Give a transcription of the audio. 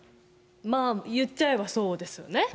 まあ、言っちゃえばそうですよね。